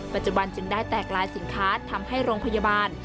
ปัจจุบันจึงได้แตกลายสินค้าทำให้โรงพยาบาล